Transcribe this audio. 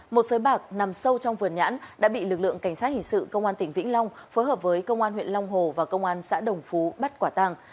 một sới bạc nằm sâu trong vườn nhãn đã bị lực lượng cảnh sát hình sự công an tỉnh vĩnh long phối hợp với công an huyện long hồ và công an xã đồng phú bắt quả tàng